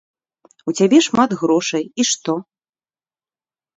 У цябе шмат грошай, і што?